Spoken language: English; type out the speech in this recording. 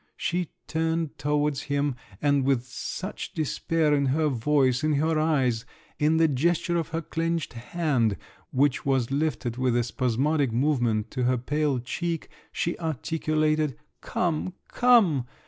She turned towards him, and with such despair in her voice, in her eyes, in the gesture of her clenched hand, which was lifted with a spasmodic movement to her pale cheek, she articulated, "Come, come!"